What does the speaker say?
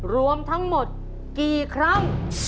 รวมทั้งหมดกี่ครั้ง